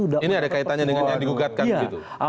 ini ada kaitannya dengan yang digugatkan gitu